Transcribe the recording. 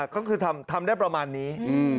ก็คือทำได้ประมาณนี้